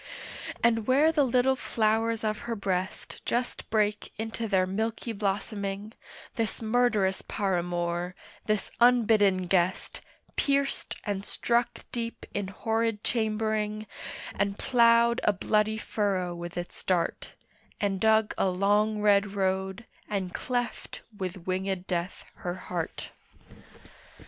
And where the little flowers of her breast Just brake into their milky blossoming, This murderous paramour, this unbidden guest, Pierced and struck deep in horrid chambering, And ploughed a bloody furrow with its dart, And dug a long red road, and cleft with wingèd death her heart.